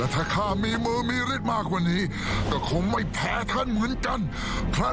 โหเพราะว่าเราไปลองดูนะไปดูกันครับ